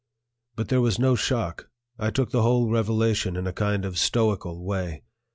But there was no shock; I took the whole revelation in a kind of stoical way.